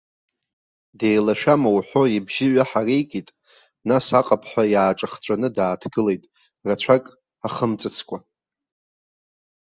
Деилашәама уҳәо ибжьы ҩаҳареикит, нас аҟыԥҳәа иааҿахҵәаны дааҭгылеит, рацәак ахымҵыцкәа.